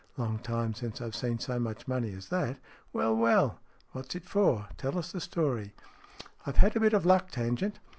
" Long time since I've seen so much money as that. Well, well ! What's it for ? Tell us the story." " I've had a bit of luck, Tangent.